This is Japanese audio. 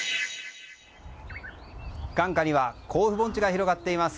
眼下には甲府盆地が広がっています。